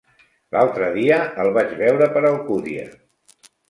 L'altre dia el vaig veure per Alcúdia.